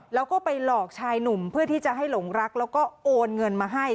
แล้วก็ไปหลอกชายหนุ่มเพื่อที่จะให้หลงรักแล้วก็โอนเงินมาให้